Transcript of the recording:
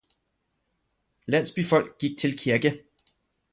Landsbyfolk gik til kirke.